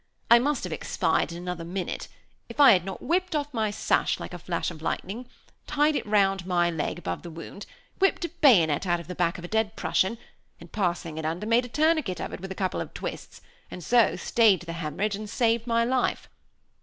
I must have expired in another minute, if I had not whipped off my sash like a flash of lightning, tied it round my leg above the wound, whipt a bayonet out of the back of a dead Prussian, and passing it under, made a tourniquet of it with a couple of twists, and so stayed the haemorrhage and saved my life.